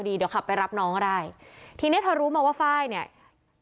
เดี๋ยวขับไปรับน้องก็ได้ทีเนี้ยเธอรู้มาว่าไฟล์เนี่ย